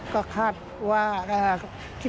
ก็คาดว่าคิดว่าน่าจะเป็น